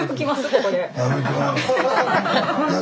ここで。